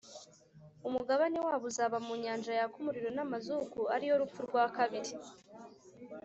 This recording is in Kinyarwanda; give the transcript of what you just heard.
umugabane wabo uzaba mu nyanja yaka umuriro n’amazuku ari yo rupfu rwa kabiri.